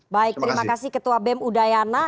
baik terima kasih ketua bem udayana